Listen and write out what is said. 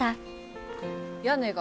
屋根が。